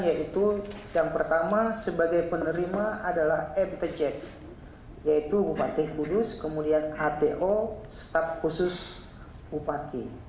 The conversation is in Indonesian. yaitu yang pertama sebagai penerima adalah mtj yaitu bupati kudus kemudian ato staf khusus bupati